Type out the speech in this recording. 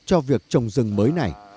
cho việc trồng rừng mới này